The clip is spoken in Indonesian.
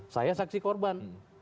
saya saksi korban